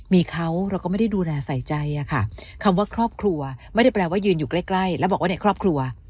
มีเขาเราก็ไม่ได้ดูแลใส่ใจอะค่ะคำว่าครอบครัวไม่ได้แปลว่ายืนอยู่ใกล้แล้วบอกว่าในครอบครัว